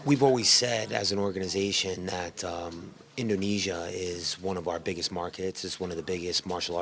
untuk sejak lama kebutuhan ini sangat besar untuk one championship